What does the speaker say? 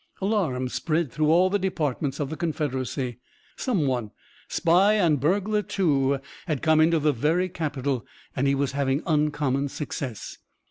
Alarm spread through all the departments of the Confederacy. Some one, spy and burglar too, had come into the very capital, and he was having uncommon success.